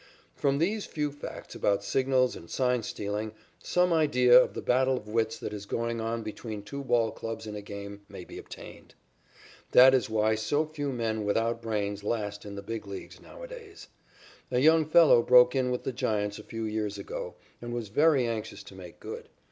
From these few facts about signals and sign stealing some idea of the battle of wits that is going on between two ball clubs in a game may be obtained. That is why so few men without brains last in the Big Leagues nowadays. A young fellow broke in with the Giants a few years ago and was very anxious to make good.